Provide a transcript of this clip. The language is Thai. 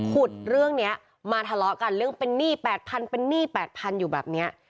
ขุดเรื่องนี้มาทะเลาะกันเรื่องเป็นหนี้๘๐๐เป็นหนี้๘๐๐๐อยู่แบบนี้